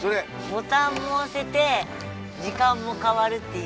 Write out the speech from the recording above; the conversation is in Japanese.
ボタンもおせて時間もかわるっていう。